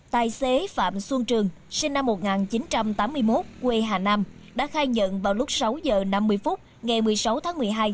tài xế phạm xuân trường sinh năm một nghìn chín trăm tám mươi một quê hà nam đã khai nhận vào lúc sáu h năm mươi phút ngày một mươi sáu tháng một mươi hai